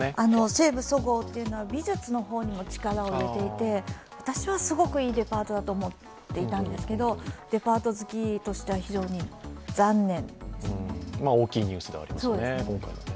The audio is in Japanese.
西武・そごうっていうのは美術の方にも力を入れていて私はすごくいいデパートだと思っていたんですけど、デパート好きとしては大きいニュースではありますね。